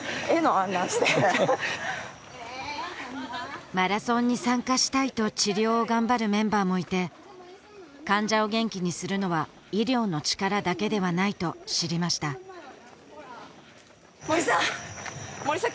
あんなんしてマラソンに参加したいと治療を頑張るメンバーもいて患者を元気にするのは医療の力だけではないと知りました森さん森さん